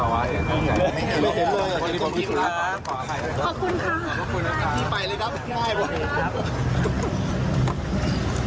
วันนี้ขอแก้รับตั้งใจครับ